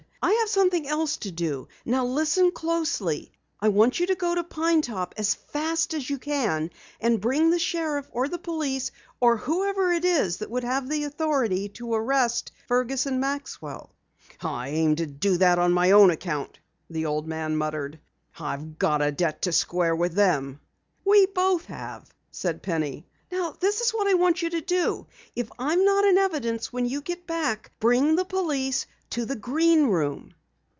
"I have something else to do. Now listen closely. I want you to go to Pine Top as fast as you can and bring the sheriff or the police or whoever it is that would have authority to arrest Fergus and Maxwell." "I aim to do that on my own account," the old man muttered. "I've got a debt to square with them." "We both have," said Penny. "Now this is what I want you to do. If I'm not in evidence when you get back, bring the police to the Green Room."